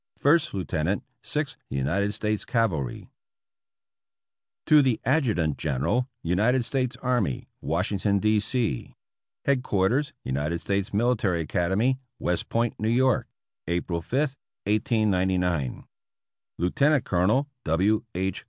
(First Lieutenant Sixth United States Cavalry) To THE Adjutant General United States Army, Washington, D, C. 303 APPENDIX E Headquarters United States Military Academy, West Point, N. Y., April 5, 1899. Lieutenant Colonel W. H.